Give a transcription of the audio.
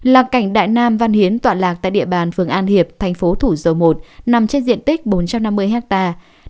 là cảnh đại nam văn hiến tọa lạc tại địa bàn phường an hiệp thành phố thủ dầu một nằm trên diện tích bốn trăm năm mươi hectare